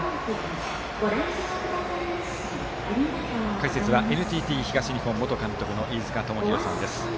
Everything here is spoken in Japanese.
解説はＮＴＴ東日本元監督の飯塚智広さんです。